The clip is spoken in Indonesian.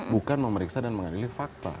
bukan memeriksa dan mengadili fakta